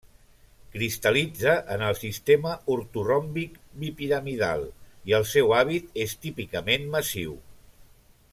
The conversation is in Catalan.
Cristal·litza en el sistema ortoròmbic bipiramidal i el seu hàbit és típicament massiu.